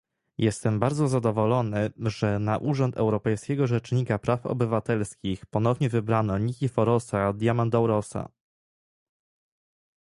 Jestem bardzo zadowolony, że na urząd Europejskiego Rzecznika Praw Obywatelskich ponownie wybrano Nikiforosa Diamandourosa